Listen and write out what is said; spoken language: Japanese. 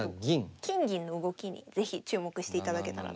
金銀の動きに是非注目していただけたらと。